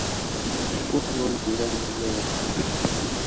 kuko ari wowe mugenga w'amahanga yose